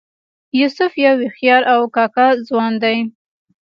یوسف یو هوښیار او کاکه ځوان دی.